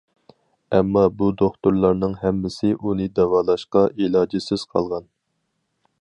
ئەمما بۇ دوختۇرلارنىڭ ھەممىسى ئۇنى داۋالاشقا ئىلاجىسىز قالغان.